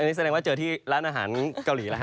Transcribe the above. นี่แสดงว่าเจอที่ร้านอาหารเกาหลีแล้วฮ